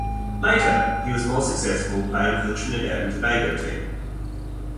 Later, he was more successful playing for the Trinidad and Tobago team.